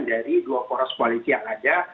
dari dua poros koalisi yang ada